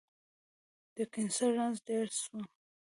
د کېنسر رنځ ډير سو